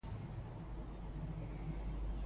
د ولس غږ باید واورېدل شي